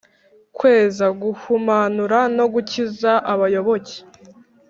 kweza, guhumanura no gukiza abayoboke.